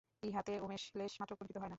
ইহাতে উমেশ লেশমাত্র কুণ্ঠিত হয় না।